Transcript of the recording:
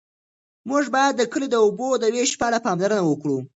موږ باید د کلي د اوبو د وېش په اړه پاملرنه وکړو.